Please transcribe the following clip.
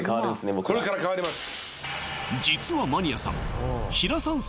僕はこれから変わります